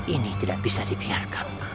ini tidak bisa dibiarkan